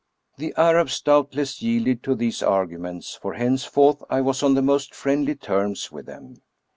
The Arabs doubtless yielded to these arguments, for henceforth I was on the most friendly terms with them.